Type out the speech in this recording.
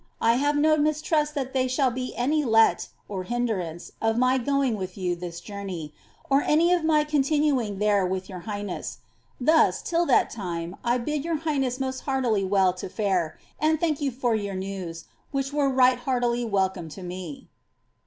I have no mistrust that they shall be any let (hindntutt*^ ::' my goin*; with you this journey, or any of my continuing tliere with yr ur li.;:i iie.<*i. Thus, till that time, I bid your hi^hnoss most heartily well to fare, anJ thank you for your news, which were right heartily welcome to me.